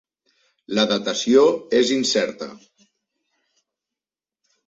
La datació és incerta.